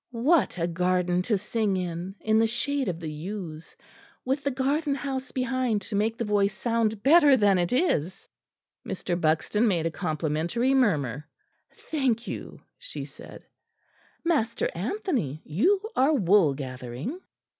What a garden to sing in, in the shade of the yews, with the garden house behind to make the voice sound better than it is!" Mr. Buxton made a complimentary murmur. "Thank you," she said, "Master Anthony, you are wool gathering."